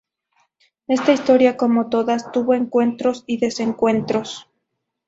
Esta historia como todas, tuvo encuentros y desencuentros.